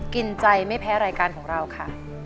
กินใจไม่แพ้รายการของเราค่ะ